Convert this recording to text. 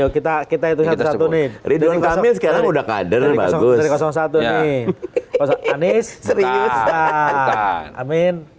kita kita hitung satu satu nih ridwan kamil sekarang udah kader bagus dari satu nih anies serius amin